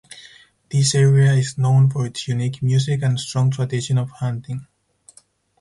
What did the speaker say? This area is known for its unique music and strong tradition of hunting.